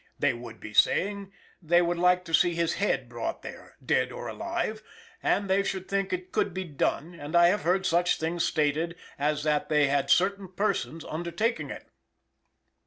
They would be saying they would like to see his head brought there, dead or alive, and they should think it could be done; and I have heard such things stated as that they had certain persons undertaking it."